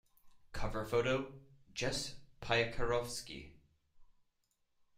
Cover photo: Jess Paikarovski.